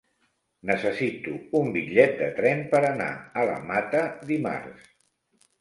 Necessito un bitllet de tren per anar a la Mata dimarts.